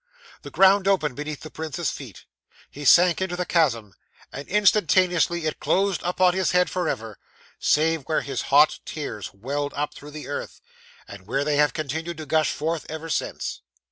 The ground opened beneath the prince's feet; he sank into the chasm; and instantaneously it closed upon his head for ever, save where his hot tears welled up through the earth, and where they have continued to gush forth ever since.